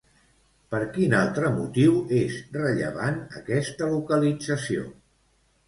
Per quin altre motiu és rellevant aquesta localització?